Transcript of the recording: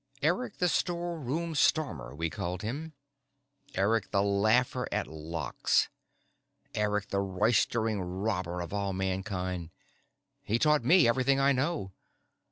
Eric the Storeroom Stormer, we called him, Eric the Laugher at Locks, Eric the Roistering Robber of all Mankind. He taught me everything I know.